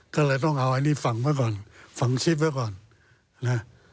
ก็เลยต้องเอาอันนี้ฝังไว้ก่อนฝังคลิปไว้ก่อนนะ